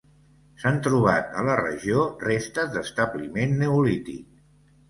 S'han trobat a la regió restes d'establiment neolític.